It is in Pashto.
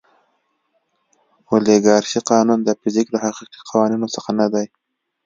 اولیګارشي قانون د فزیک له حقیقي قوانینو څخه نه دی.